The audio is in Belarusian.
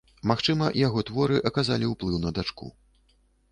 Магчыма, яго творы аказалі ўплыў на дачку.